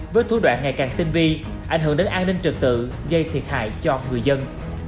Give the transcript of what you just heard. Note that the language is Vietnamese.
với thủ đoạn ngày càng tinh vi ảnh hưởng đến an ninh trực tự gây thiệt hại cho người dân